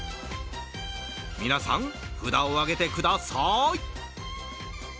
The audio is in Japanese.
皆さん、札を上げてください！